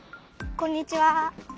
こんにちは。